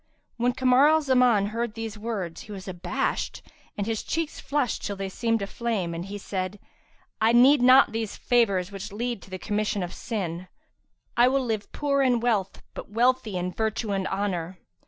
'"[FN#336] When Kamar al Zaman heard these words, he was abashed and his cheeks flushed till they seemed a flame; and he said, "I need not these favours which lead to the commission of sin; I will live poor in wealth but wealthy in virtue and honour."